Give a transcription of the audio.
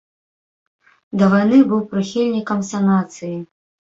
Да вайны быў прыхільнікам санацыі.